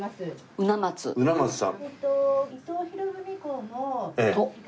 鰻松さん。